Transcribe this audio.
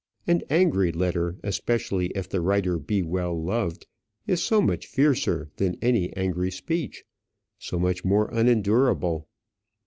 An angry letter, especially if the writer be well loved, is so much fiercer than any angry speech, so much more unendurable!